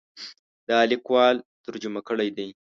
دا لیکوال ترجمه کړی دی.